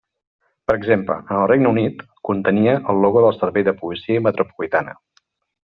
Per exemple, en el Regne Unit, contenia el logo del Servei de Policia Metropolitana.